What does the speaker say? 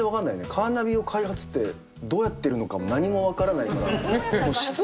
カーナビを開発ってどうやってるのかも何も分からないから。